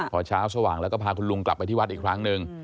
พอเช้าสว่างแล้วก็พาคุณลุงกลับไปที่วัดอีกครั้งหนึ่ง